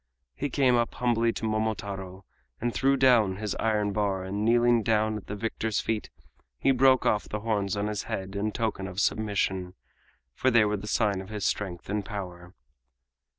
He came up humbly to Momotaro and threw down his iron bar, and kneeling down at the victor's feet he broke off the horns on his head in token of submission, for they were the sign of his strength and power.